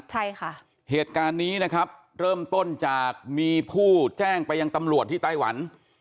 ใช่ค่ะเหตุการณ์นี้นะครับเริ่มต้นจากมีผู้แจ้งไปยังตำรวจที่ไต้หวัน